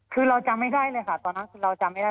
คือเราจำไม่ได้เลยค่ะตอนนั้นคือเราจำไม่ได้